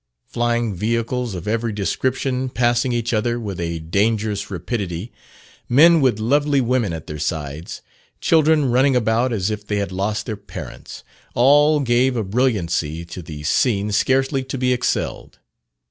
Flying vehicles of every description passing each other with a dangerous rapidity, men with lovely women at their sides, children running about as if they had lost their parents all gave a brilliancy to the scene scarcely to be excelled.